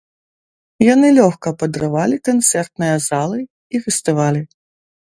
Яны лёгка падрывалі канцэртныя залы і фестывалі.